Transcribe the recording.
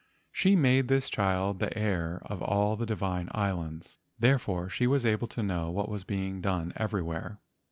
She made this child the heir of all the divine islands, therefore she was able to know what was being done everywhere.